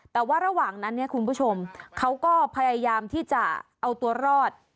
แต่ว่าระหว่างนั้นเนี่ยคุณผู้ชมเขาก็พยายามที่จะเอาตัวรอด